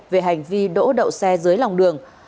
về hành vi đỗ động